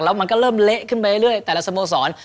แล้วมันก็เริ่มเละขึ้นไปเรื่อยแต่ละสโมสร